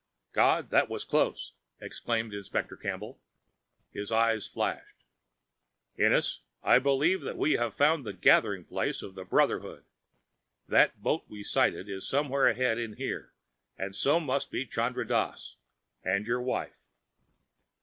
"God, that was close!" exclaimed Inspector Campbell. His eyes flashed. "Ennis, I believe that we have found the gathering place of the Brotherhood. That boat we sighted is somewhere ahead in here, and so must be Chandra Dass, and your wife."